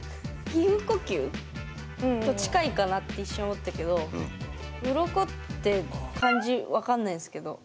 皮膚呼吸と近いかなって一瞬思ったけど「鱗」って漢字分かんないんすけど。